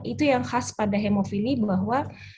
itu yang khas pada hemofili bahwa